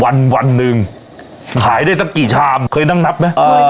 วันวันหนึ่งขายได้สักกี่ชามเคยนั่งนับไหมเออ